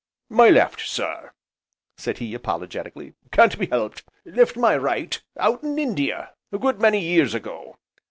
"My left, sir," said he apologetically, "can't be helped left my right out in India a good many years ago.